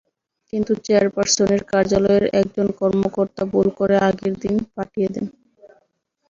কিন্তু চেয়ারপারসনের কার্যালয়ের একজন কর্মকর্তা ভুল করে আগের দিন পাঠিয়ে দেন।